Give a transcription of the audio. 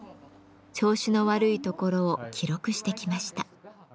調子の悪いところを記録してきました。